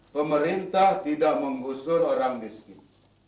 pemerintah tidak mengusur orang miskin